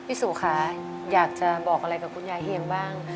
สุค่ะอยากจะบอกอะไรกับคุณยายเอียงบ้าง